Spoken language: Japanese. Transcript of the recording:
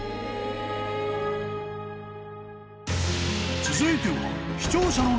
［続いては］